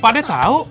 pak dio tau